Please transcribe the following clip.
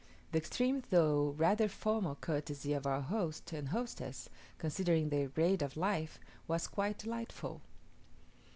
The extreme though rather formal courtesy of our host and hostess, considering their grade of life, was quite delightful.